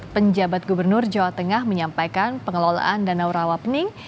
penjabat gubernur jawa tengah menyampaikan pengelolaan danau rawapening